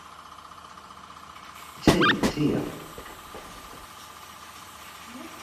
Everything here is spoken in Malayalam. ശരി ചെയ്യാം